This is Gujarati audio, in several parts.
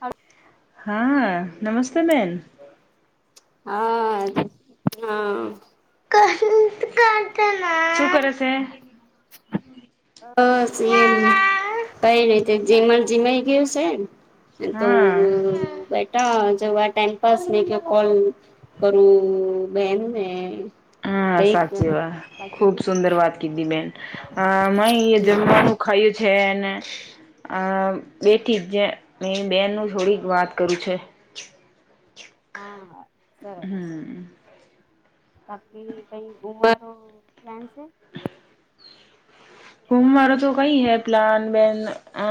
હા હા, નમસ્તે બેન હા, હ શું કરે છે બસ, એલ કઈ રહી, તે જીમણ જીમય ગયું છે. તો હા બેટા જેવા ટાઈમપાસ નહી, કે કોલ કરું બહેન ને હા, કઈ સાચી વાત. બાકી ખુબ સુંદર વાત કીધી બેન હ, મ એ જમવાનું ખાયું છેને. આ બેઠી, જ જે મેં બેનનું થોડીક વાત કરું છે. હા હમ્મ બાકીકી કઈ ગુમવાનો પ્લાન છે. હુમ મારો તો કઈ હૈ, પ્લાન બેન અ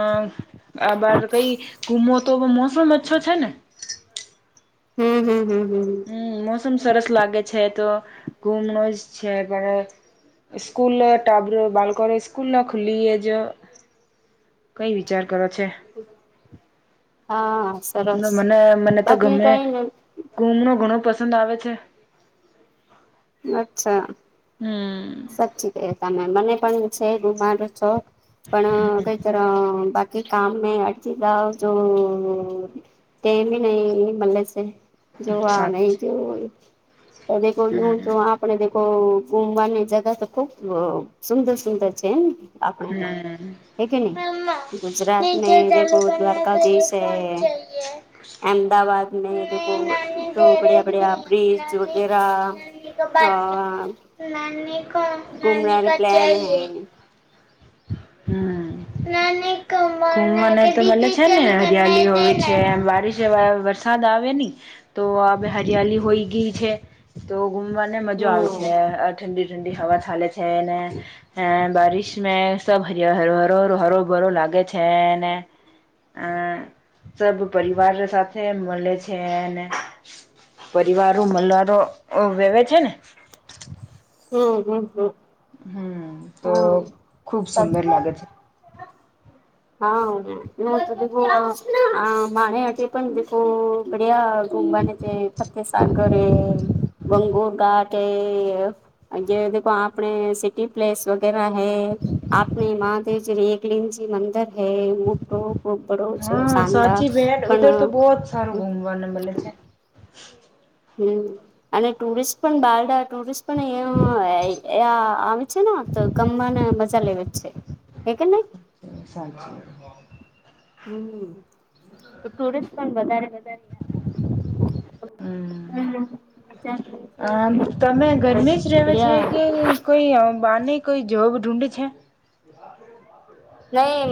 આ બાર કઈ ઘુમો, તો મોસમ અચ્છો છેને હમ હમ હમ હમ મોસમ સરસ લાગે છે તો ઘુમણ જ છે પણ સ્કૂલ ટબ બાળકો સ્કૂલ ના ખુલી એજ કઈ વિચાર કરો છે હા સરસ મને મને તો બાકી ગમે કઈ નઈ કુમ નો ઘણો પસંદ આવે છે અચ્છા હમ. સાચી ક તમે મને પણ છે ગુમાડું છો પણ કઈ કર બાકી કે કામ મે અર્જીિતઓ જો ટેમ નહી મલે છે જોવા નહી સાચી જોવું હોય ક કોઈ હમ આપ ઘુમવાની ની જગા તો ખુબ સુંદર સુંદર છે ને આપણે તો હમ. હે કે નહી મમ્મા ગુજરાત મે નિર્જર દેખો તાલુકાના ઘરે દ્વારકાધીશ ફોન જોઈએ. હૈ અમદાવાદ મે દેખો નહી નાની તો દે બડિયા બડિયા રહી બ્રિજ નાની વગેરા [inaudible] નાની [unintelligible] કો બાત હૈ નાની કો નાની કા ચાહિએ નાની કો હ મને તો બને છે ને હરિયાળો હોય છે બારીસ વરસાદ આવે ની તો હરિયાળલી હોય ગઈ છે તો ગુમવાને મજો આવે છે ઠંડી ઠંડી હવા થાલે છે ને હે બારિશ મે સબ હર હ હરો ભરો લાગે છે ને અ સ પરિવાર સાથે મળે છે ને પરિવારો મલવારો વેવે છે ને હમ હમ હમ હમ તો ખુબ સુંદર લાગે છે હા તો માણજ [inaudible] પણ દખો બડિયા કુંભની તે ફતે સાગર હૈ ઘનઘોર ઘાટ હ જે આપણે સિટી પ્લેસ વગેરા હૈ આપને મહાદેવજી એકલિનજી મંદ હૈ મોટો ખૂબ બરો છો હા સાંધા સાચી બેન ઉધર તો પણ બહુત સારું ઘુમવાને મળે છે. [inaudible] [inaudible] [unintelligible] [unintelligible] અને ટુરિસ્ટ પણ બારડા ટુરિસ્ટ પણ અ આવે છે ને ગમ મજા લે વ છે હે કેને સાચી વા હમ ટુરિસ્ટ પણ વધારે વધારે હમ અ તમે ગરમી જ રહવે છે કે કોઈ બાને કોઈ જોબ ઢુંઢે છે નહી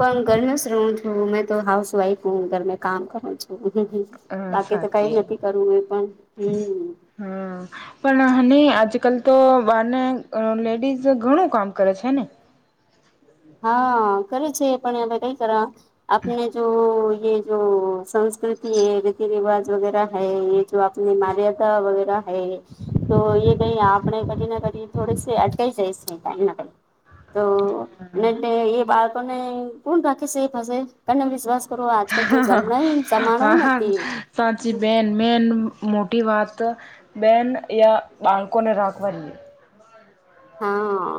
પણ ઘરનું હું છું મેં તો હાઉસ વાઇફ હું ઘર મે કામ કરું છ હ હા બાકી તો કઈ સાચી નથી કરવું એ પણ હમ ને આજકાલ તો બાર ને લેડીઝ ઘણું કામ કરે છે ને હા કરે છે એ પણ હ કઈ કરવા આપને જો જો સંસ્કૃતિ હૈ રીતિ રિવાજ વગેરા હૈ જો આપની માર્યાદા વગેરા તો એ કઈ આપણે કરી નાને કરી થોડક અટાય જાય છે કઈક ના કઈક તો એ એ બાળકોને કોણ રાખી સે એ થશે કને વિશ્વાસ કરો આજકાલ તો હા જમણાય હા જમાણોય હા હા નથી સાચી બેન મેન મોટી વાત તો બેન યા બાળકોનેને રાખવા જોઈએ હા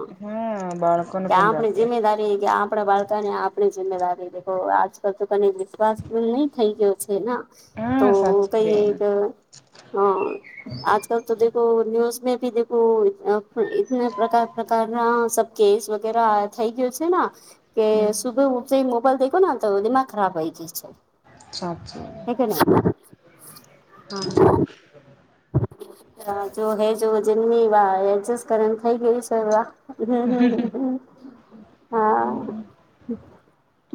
બાળકોને કે કોણ આપડી રાખે જિમ્મેદારી કે આપણે બાળ તને આપણે જિમ્મેદારી દે આજકાલ તો કને વિશ્વાસ નહી થઈ ગયો છે કે ના તો હા સાચી કઈ બેન એક હ આજ ત તો દેખો ન્યુઝ મે ભી દખો ઇતને પ્રકાર પ્રકાર સબ કેસ વગેરા થઈ ગયો છે ને કે હમ સુબ ઊંચાઈ મો પલ દેખોના ત દિમાક ખરાબ વહી જાય સાચી છે. [unintelligible] હા જો હે જો જેમની વાજ કર એમ થાય કે [unintelligible] હમ્મ હા. હમ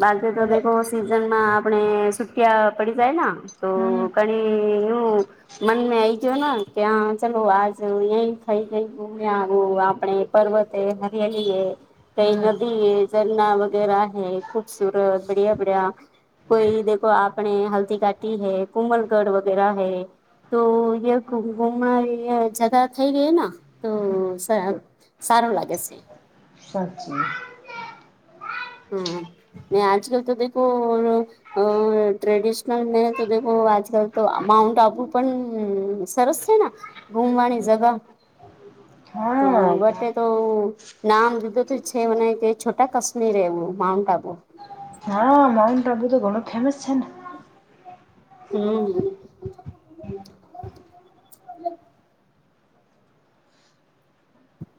બા તો હમ દેખો સીઝનમાં આપણે સુટિયા પડી જાય તો ઘણી એું મનમાં આઈજ ને કે હ ચલો આજ અ ખાઈ કઈ ગુમ્યા આવ આપણે પર્વત તે હરિયાઈ એ કઈ હમ નદી એ ઝરણા વગેરે હ ખૂબસુરત બડિયા બડિયા કોઈ દખો આપણે હલ્થીઘાટી હૈ કોુંમલગઢ વગેરા હૈ તો યા ઘુમ ઘૂમ યા જતા થઇ ગઈ ને? હમ્મ સા સારું લાગે છે. સાચી કો અ ટ્રેડિશનલ મે તોખ આજકાલ તો માઉન્ટ આપુ પણ સરસ છે ઘુમવાની જગા હ હા બટે તો નામ દીધું છે વ નય તે છોટા કાશ્મીર એવું માઉન્ટ આબુ હા માઉન્ટ આબુ તો ઘણ ફેમસ છેને. હમ્મ.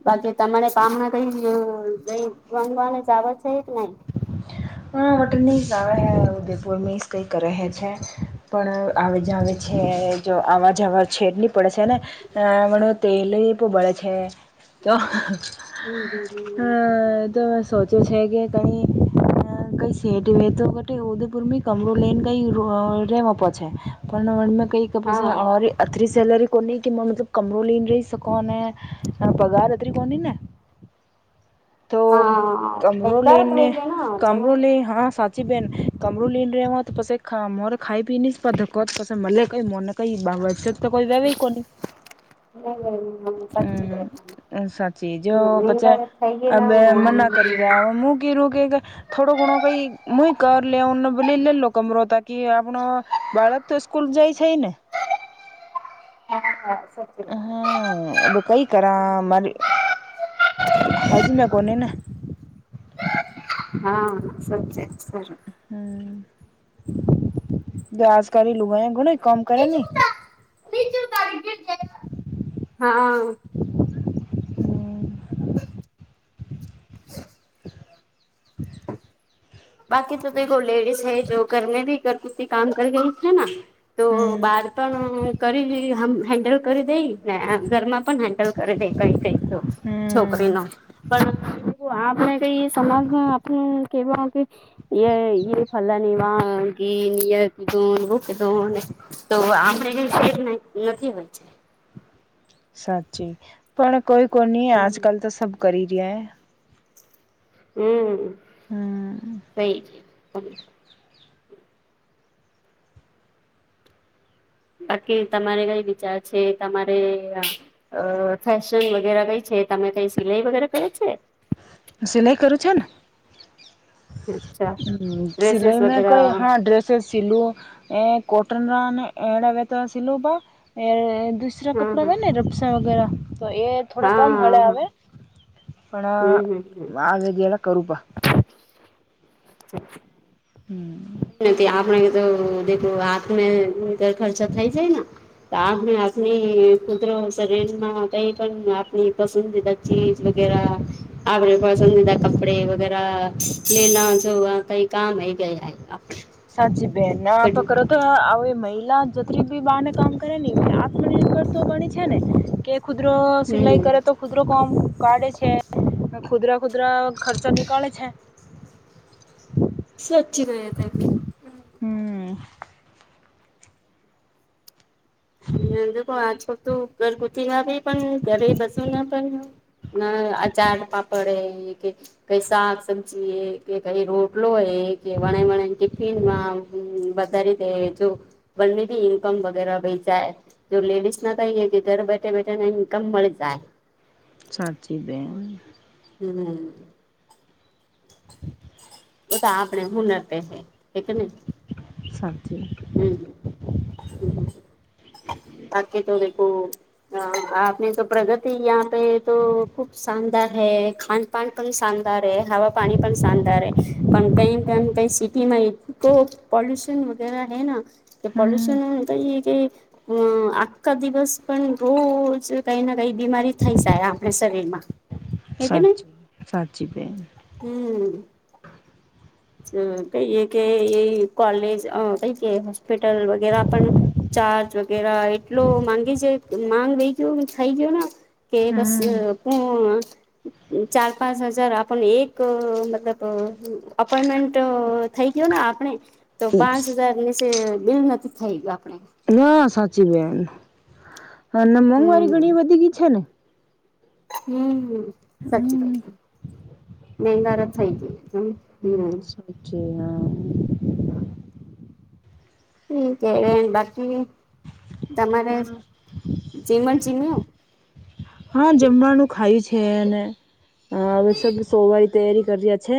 બાકી તમારે કામના કઈ કઈ રંગવાની જાવર છે કે નઈ હ હા વટન મસ આવે હ ઉદયપુર મીસ કઈક કરે છે પણ આવે જાવે છે જો આવાર જવાર છેડની પડે છે ને મ તેલ બળે છે તો હમ્મ એ તો મે સોચ્યું છે કે તમે કઈ સી એ ટી વે તો ઉદેપુર કમર લઈને કઈ રેવા પહોંચે પણ કઈ હા કપોસી અત્રરિ સેલરી કો કે [unintelligible] મતલબ કમરો લઈને રહી શકો અને પગાર અતરી કો ને. [unintelligible] તો હા કમરો બંગારત લેને વહી ગયા ના ચલો કમરો લે હા સાચી બેન કમરો લીને રવા તો પછ મોરે ખાઈ પી ધકો પછ મલે કઈ મોન કઈ બાબચત તો કોઈ વેવે [unintelligible] કોની [unintelligible] સાચી સાચી જો પછી અ બે મ ના કરી ગયેલા રહ્યા મૂકી રૂકી કેય- થોડો ઘણો કઈ મુું કર લે ભલી લેલો કમરો હતા કે આપણ બાળક તો સ્કૂલ જાય છે ને હમ હા અ બદા કઈ કરા મારે હજ મેં કોને ને હા સચ સરારું હમ્મ. વ આજ કરી લુગ ઘણા કામ કરે નની હા. હમ્મ. હ બાકી તો તો લેડીસ હૈ જો ઘરને ભી ઘર ગુતી કામ કર ગઈ હે ના. તો હમ બાર પણ કરીલી એમ હેન્ડલ કરી [unintelligible] એમ, ને ઘર માં પણ હેન્ડલ કરી દે કઈ [unintelligible] હમ છોકરી નો, પણ પણ આપણે કઈ સમાજમાં આપણે કેવા કે એ એ ફલાની વાનગી [unintelligible] [unintelligible] એનથી હોય છે. સાચી. પણ કોઈ કોઈ ની હમ આજકાલ તો સબ કરી રહ્યા હે. હમ્મ, હમ [unintelligible] બાકી તમારે કઈ વિચાર છે, તમારે અહ અહફેશન વગેરે કાઈ છ છે, તમે કાઈ સિલાઈ વગેરા કરે છે? હું સિલાાઈ કરું છું ને. અચ્છા હમ્મ, ડ્રેસીસ સિલાઈ મેં વગેરે કોઈ હા ડ્રેસિસ સાલું એ કોટન ના ને એના [unintelligible] દુસરા કપડા હા હોય ને રબસા વગેરા તો એ થોડા કમ હા [unintelligible] હા આવે હમ હમ હમ પણ આવે જ્યારે કરું પા. [inaudible] નથી આપણે તો દેખો હાથને ઘર ખર્ચા થઈ જાય ના. તો આપને આપની કુદરો શરીરના કઈ પણ આપણી પસંદીદા ચીજ વગે રા, આપણે પસંદીદા કપડે વગેરા લેલા જોવા કઈ કામ [unintelligible] સાચી બેેન, બધું [unintelligible] ના જેતરી બી બહાને કામ કરે ઈ આત્મનિર્ભર તો બને છે ને કે ખુદરો સિલાઈ હમ કરે તો ખુદરો કોમ કાઢે છે. ને ખુદરા ખુદરા ખર્ચો નીકાળે છે. સચ્ચી વાત. હમ્મ. ને દેખો આજકલ તો ઘરગુથી ના આવી પણ ઘરે બેસું ના પણ ના ના અચાર પાપડે રે કે કઈ શાક, સબ્જી એ કે કઈ રોટલો એ કે વણે-વણે ટિફિનમાં હમ્મ વધારી દે જો બને ઇન્કમ વગેરા [unintelligible] તો લેડીસ ના કઈએ કે ઘર બેઠા-બેઠા કાઈ ઇન્કમ મળી જાય. સાચી બેન. હમ્મ. વો તો આપણે હુનર પે હે. હે કે ને? સાચી હમ્મ-હમ્મ, બાકી તો દેખો [unintelligible] અહ આપની તો પ્રગતિ યહાં પે તો ખુબ શાનદાર હૈ, ખાનપાન પણ શાનદાર ર હૈ, હવા પાણી પન શાનદાર હૈ, પન [unintelligible] સિટીમાં એ તો પોલ્યુશન વગેરા હૈ ના, કે હમ પોલ્યુશન કઈ એ કે અહ આખા દિવસ પણ રોજ જ કઈ ના કઈ બીમારી થઈ જાય આપણે શરીર માં. હે કે નહી? સાચી સાચી બેન હમ્મ. અહ કઈ એ કે એ કોલેજ અહ કઈ કે હસ્પિટલ વગેરા પણ ચાર્જ વગેરા એટલો માંગી છે, માંગ વયધું થઈ ગયો થઇ ગયો ના કે બસ હમ પો અહ ચાર પાંચ હજાર આપન એક મતલબ અહ અહ અપોઈન્ટમેન્ટ થઈ ગયો ને આપણે, તો પાંચ હજાર નીસે બિલ નથી થઈ ગયો આપ ના સાચી બેેન, અને મોંઘવારી ઘણી બધી ગી છે ને હમ્મ. સાચી બેન હમ મહેંગારત થઈ ગયો હે [unintelligible] સુજે આમ. ઠીક હૈ એય બાકી [inaudible] જેમન જીમ્યો? હા જમવાનું ખાય છે, અને હવે સબ સોવાય તૈયારી કર્યા છે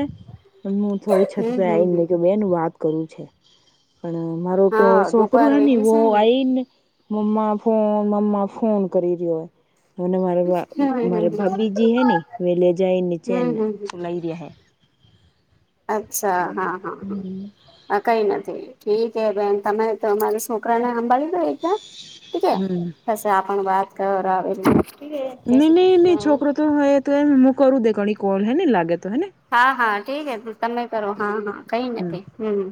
હું થોડી છત હમ પે હમ હમ આવીઈને બેન હું વાત કરું છે પણ મારો તો હા દુપાર છોકરોું હે ને વેગી છે એવું આઈને મમા ફોન મમા ફોન કરી રહ્યોય અને મારે ને મારે ભાભીજી હે ને લે જાય નીચે હમ હમ હમ લઈ રહ્યા હે અચ્છા હા હા હમ. હા હ કઈ નથી ઠીક હૈ બેન તમે તમારા છોકરાને સાંભાળી લો એકવાર ઠીક હૈ હમ પછે આપણ વાત કર આવે ન નહી નહી છોકરો તો હ તો એ હું કરું દે ઘણી કોલ હે ને લાગે તો હેને હા હા ઠીક હ તમે કરો હા હા કઈ નથી હમ